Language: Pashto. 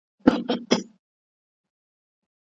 يه بچه کس کاهى